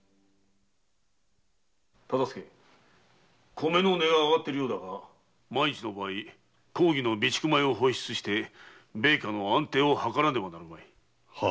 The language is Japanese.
米の値が上がっているようだが万一の場合公儀の備蓄米を放出して米価の安定を計らねばなるまい。